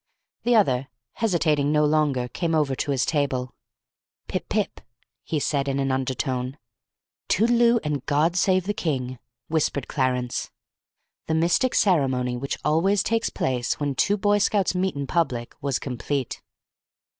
The other, hesitating no longer, came over to his table. "Pip pip!" he said, in an undertone. "Toodleoo and God save the King!" whispered Clarence. The mystic ceremony which always takes place when two Boy Scouts meet in public was complete.